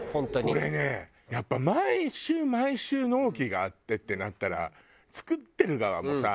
これねやっぱ毎週毎週納期があってってなったら作ってる側もさ